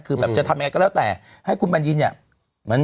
คือแบบจะทำยังไงก็แล้วแต่